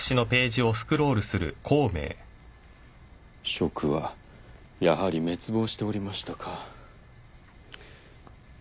蜀はやはり滅亡しておりましたか。